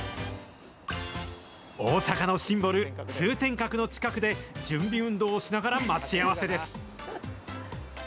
大阪のシンボル、通天閣の近くで、準備運動をしながら待ち合わせです。